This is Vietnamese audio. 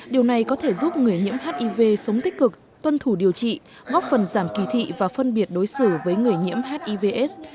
điều này có thể giúp người nhiễm hiv sống tích cực tuân thủ điều trị góp phần giảm kỳ thị và phân biệt đối xử với người nhiễm hivs